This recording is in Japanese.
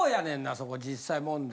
そこ実際問題。